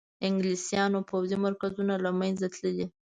انګلیسیانو پوځي مرکزونه له منځه تللي.